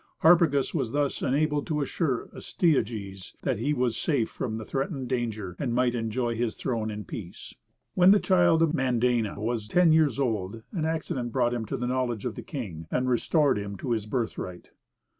Harpagus was thus enabled to assure Astyages that he was safe from the threatened danger, and might enjoy his throne in peace. When the child of Mandane was ten years old an accident brought him to the knowledge of the king, and restored him to his birthright.